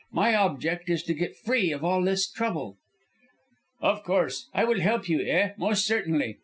"My object is to get free of all this trouble." "Of course. I will help you; eh, most certainly.